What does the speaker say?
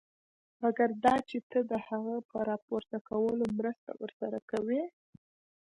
مګر دا چې ته د هغه په راپورته کولو مرسته ورسره کوې.